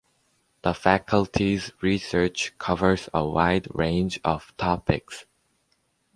The Faculty's research covers a wide range of topics.